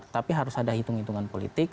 tapi harus ada hitung hitungan politik